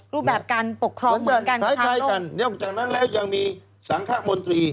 รูปแบบกันปกคล้องเหมือนกันกับทางโลกเฉพาะใกล้กันและก็อยากมีสังฆ่ามนตรี